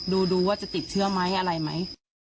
ดูว่าจะติดเชื้อไหมอะไรไหม